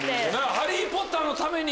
ハリー・ポッターのために。